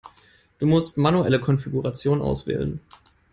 Du musst manuelle Konfiguration auswählen.